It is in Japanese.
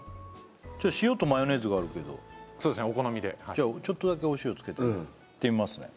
塩とマヨネーズがあるけどそうですねお好みでじゃあちょっとだけお塩つけていってみますね